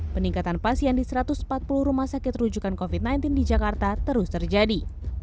peningkatan pasien di satu ratus empat puluh rumah sakit rujukan covid sembilan belas di jakarta terus terjadi